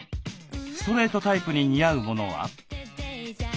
ストレートタイプに似合うものは？